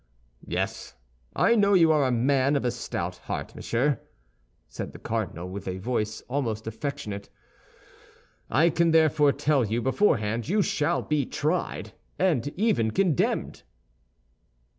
"Yes, I know you are a man of a stout heart, monsieur," said the cardinal, with a voice almost affectionate; "I can therefore tell you beforehand you shall be tried, and even condemned."